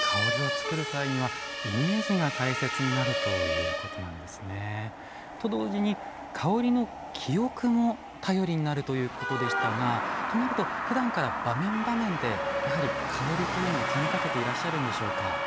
香りを作る際にはイメージが大切になるということなんですね。と同時に、香りの記憶も頼りになるということでしたがふだんから、場面場面でやはり、香りというのを気にかけていらっしゃるんでしょうか。